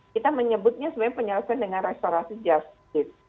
kita menyebutnya sebenarnya penyelesaian dengan restorasi justice